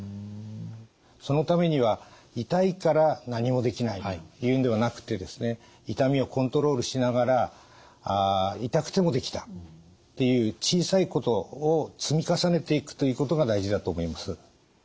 そのためには「痛いから何もできない」というんではなくてですね痛みをコントロールしながら「痛くてもできた」っていう小さいことを積み重ねていくということが大事だと思います。